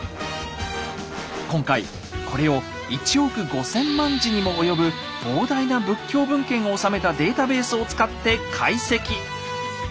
今回これを１億５，０００万字にも及ぶ膨大な仏教文献を収めたデータベースを使って解析。